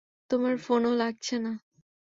তোমার ফোনও লাগছে না।